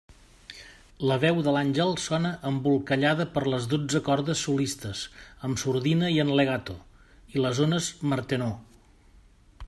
La veu de l'àngel sona embolcallada per les dotze cordes solistes —amb sordina i en legato— i les ones Martenot.